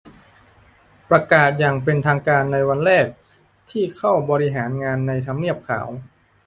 ประกาศอย่างเป็นทางการในวันแรกที่เข้าบริหารงานในทำเนียบขาว